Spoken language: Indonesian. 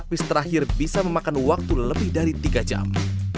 lapis terakhir bisa memakan waktu lebih dari tiga jam